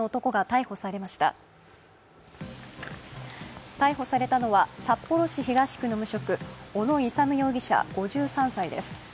逮捕されたのは、札幌市東区の無職、小野勇容疑者５３歳です。